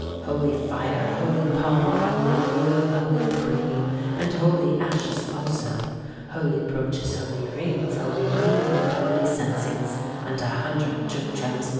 Holy fire, holy palme, Holy oil, holy cream, And holy ashes also; Holy broaches, holy rings, Holy kneeling, holy censings, And a hundred trim trams mo.